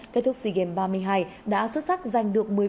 kết thúc sea games ba mươi hai đã xuất sắc giành được